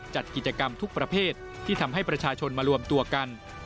จัดกิจกรรมทุกประเภทที่ทำให้ประชาชนมารวมตัวกัน